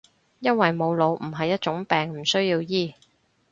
因為冇腦唔係一種病，唔需要醫